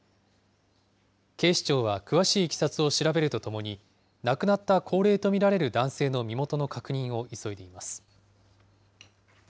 警視庁は詳しいいきさつを調べるとともに、亡くなった高齢と見られる男性の身元の確認を急いでいます。